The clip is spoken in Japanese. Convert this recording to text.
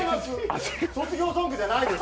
卒業ソングじゃないです。